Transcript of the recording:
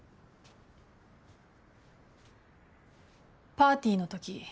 パーティーのとき